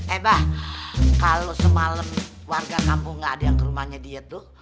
eh mbak kalau semalam warga kampung nggak ada yang ke rumahnya dia tuh